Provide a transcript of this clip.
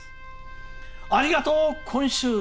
ありがとう、今週。